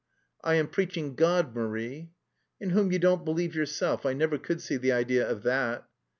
"I am preaching God, Marie." "In whom you don't believe yourself. I never could see the idea of that."